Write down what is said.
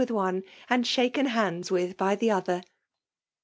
with one> and shaken handiii wtli by the other